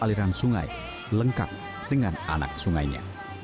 aliran sungai lengkap dengan anak sungainya